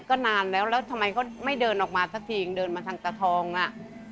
ก็นานแล้วแล้วทำไมเขาไม่เดินออกมาสักทีเองเดินมาทางตะทองอ่ะ